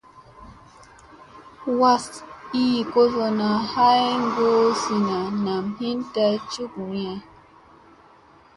Was ii kozona ha goo zina nam hin day cukniye.